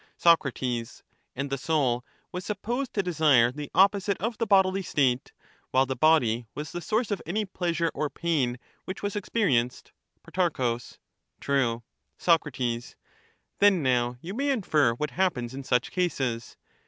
Soc. And the soul was supposed to desire the opposite of the bodily state, while the body was the source of any pleasure or pain which was experienced. Pro. True. Soc. Then now you may infer what happens in such cases.